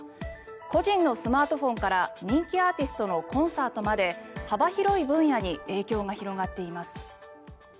個人のスマートフォンから人気アーティストのコンサートまで幅広い分野に影響が広がっています。